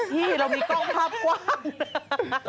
ที่เรามีกล้องภาพกว้าง